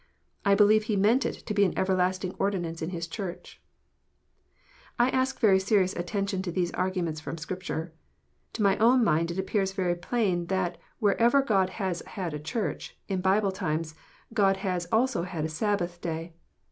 I believe He meant it to be an everlasting ordinance in His Church. I ask serious attention to these arguments from Scripture. To my own mind it appears very plain that wherever God has had a Church, in Bible times, God has also had a Sabbath Day.